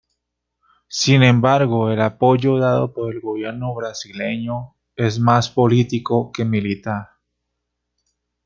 Sin embargo, el apoyo dado por el gobierno brasileño es más político que militar.